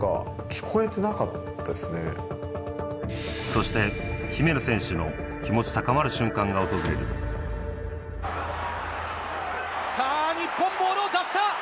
そして姫野選手の気持ち高まる瞬間が訪れるさぁ日本ボールを出した！